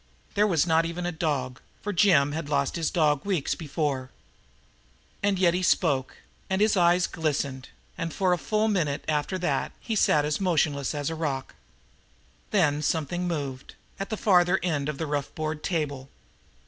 There was not even a dog, for Jim had lost his one dog weeks before. And yet he spoke, and his eyes glistened, and for a full minute after that he sat as motionless as a rock. Then something moved at the farther end of the rough board table.